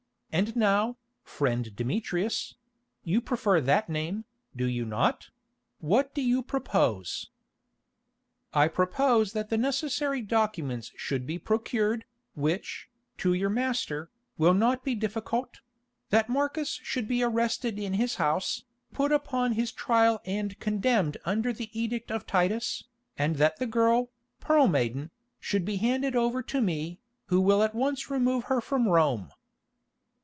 And now, friend Demetrius—you prefer that name, do you not—what do you propose?" "I propose that the necessary documents should be procured, which, to your master, will not be difficult; that Marcus should be arrested in his house, put upon his trial and condemned under the edict of Titus, and that the girl, Pearl Maiden, should be handed over to me, who will at once remove her from Rome."